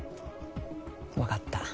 わかった。